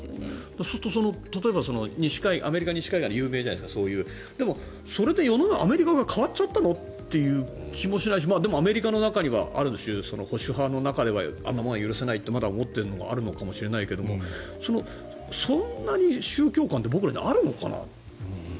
そうするとアメリカ西海岸有名じゃないですかでも、それでアメリカが変わっちゃったの？という気もするしでも、アメリカの中にはある種保守派の中では許せないというのが思っているのはあるかもしれないけどそんなに宗教観って僕らにあるのかな？